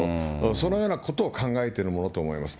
そのようなことを考えてるものと思います。